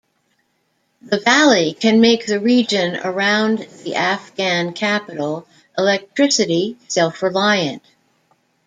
The valley can make the region around the Afghan capital electricity self-reliant.